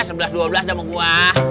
sebelas dua belas udah mau gua